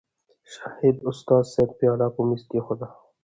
شاهد استاذ صېب پياله پۀ مېز کېښوده